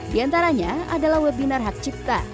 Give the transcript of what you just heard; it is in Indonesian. di antaranya adalah webinar hak cipta